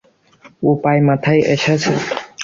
উপায় মাথায় এসেছে।